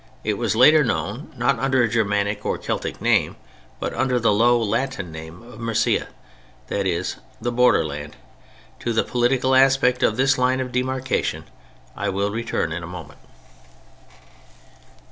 It was later known not under a Germanic or Celtic name, but under the low Latin name of "Mercia" that is the "Borderland." To the political aspect of this line of demarcation I will return in a moment.